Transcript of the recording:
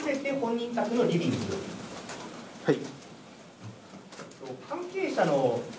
はい。